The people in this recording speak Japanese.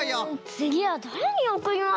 つぎはだれにおくりましょうか？